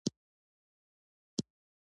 لعل د افغانستان د هیوادوالو لپاره ویاړ دی.